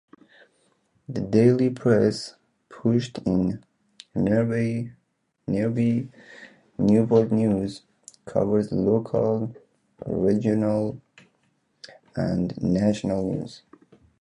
The "Daily Press", published in nearby Newport News, covers local, regional and national news.